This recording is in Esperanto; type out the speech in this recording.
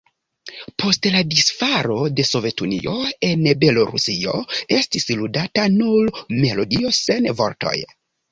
Post la disfalo de Sovetunio en Belorusio estis ludata nur melodio, sen vortoj.